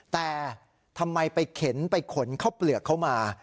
แต่ทำไมไปเข็นไปขนเข้าเปลือกเข้ามา